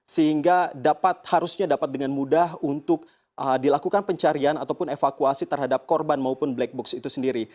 sehingga harusnya dapat dengan mudah untuk dilakukan pencarian ataupun evakuasi terhadap korban maupun black box itu sendiri